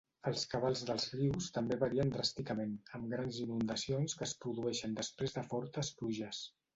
Els cabals dels rius també varien dràsticament, amb grans inundacions que es produeixen després de fortes pluges.